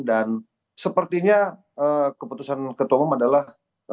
dan sepertinya keputusan ketua umum adalah